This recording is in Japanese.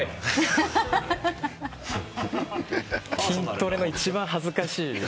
筋トレの一番恥ずかしい。